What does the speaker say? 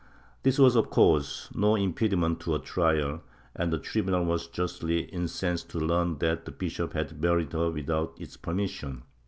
This was, of course, no impediment to her trial, and the tribunal was justly incensed to learn that the bishop had buried her without its permission.